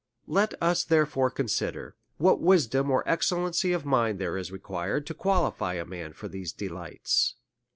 Let us therefore consider, what wisdom or excellency of mind there is required to qualify a man for these delights.